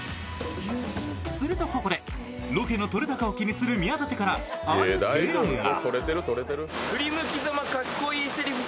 すると、ここでロケの撮れ高を気にする宮舘から、ある提案が。